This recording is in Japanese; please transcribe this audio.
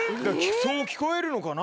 そう聴こえるのかな？